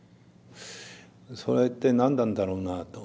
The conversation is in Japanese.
それって何なんだろうなと。